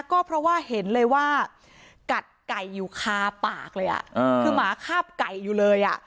ก็เพราะว่าเห็นเลยว่ากัดไก่อยู่คาปากเลยอ่ะคือหมาคาบไก่อยู่เลยอ่ะ